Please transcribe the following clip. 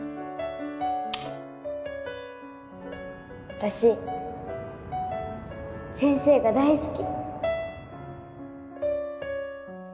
私先生が大好き